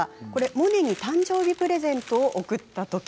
モネに誕生日プレゼントを贈ったとき。